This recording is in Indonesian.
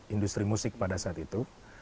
industri musik pada saat itu